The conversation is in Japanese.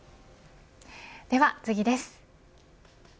では次です。